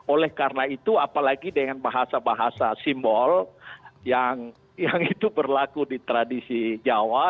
oleh karena itu apalagi dengan bahasa bahasa simbol yang itu berlaku di tradisi jawa